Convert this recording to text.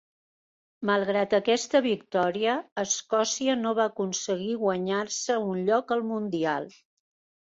Malgrat aquesta victòria, Escòcia no va aconseguir guanyar-se un lloc al Mundial.